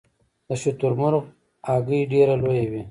د شترمرغ هګۍ ډیره لویه وي